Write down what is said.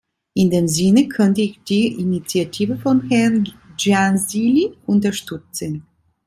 In dem Sinne könnte ich die Initiative von Herrn Giansily unterstützen.